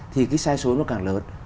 thì cái sai số nó càng lớn